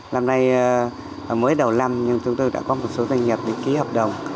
năm nay mới đầu năm nhưng chúng tôi đã có một số doanh nghiệp ký hợp đồng